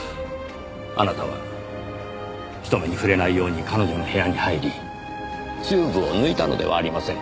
あなたは人目に触れないように彼女の部屋に入りチューブを抜いたのではありませんか？